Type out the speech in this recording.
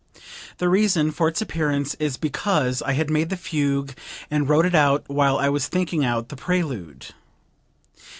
The reason for its appearance is because I had made the fugue and wrote it out while I was thinking out the prelude."